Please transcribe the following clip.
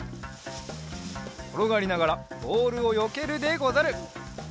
ころがりながらボールをよけるでござる。